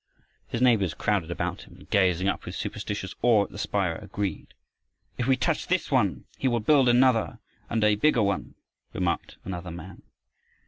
His neighbors crowding about him and gazing up with superstitious awe at the spire, agreed. "If we touch this one he will build another and a bigger one," remarked another man.